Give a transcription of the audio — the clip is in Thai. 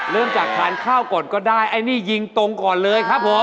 เริ่มจากทานข้าวก่อนก็ได้ไอ้นี่ยิงตรงก่อนเลยครับผม